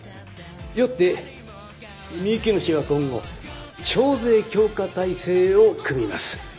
よってみゆきの市は今後徴税強化体制を組みます。